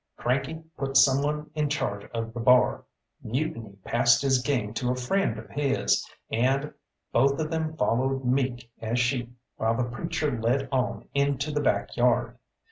Cranky put someone in charge of the bar, Mutiny passed his game to a friend of his, and both of them followed meek as sheep, while the preacher led on into the backyard.